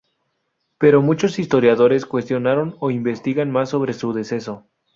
Pero muchos historiadores cuestionaron o investigan más sobre su deceso.